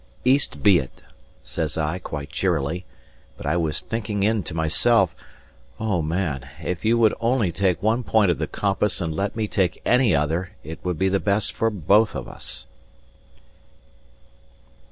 "East be it!" says I, quite cheerily; but I was thinking in to myself: "O, man, if you would only take one point of the compass and let me take any other, it would be the best for both of us."